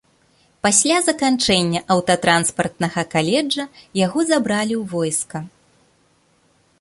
Пасля заканчэння аўтатранспартнага каледжа, яго забралі ў войска.